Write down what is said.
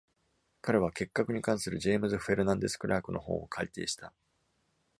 彼は結核に関するジェームズ・フェルナンデス・クラークの本を改訂した。